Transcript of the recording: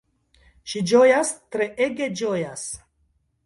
Ŝi ĝojas, treege ĝojas.